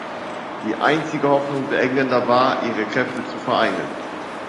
Die einzige Hoffnung der Engländer war, ihre Kräfte zu vereinen.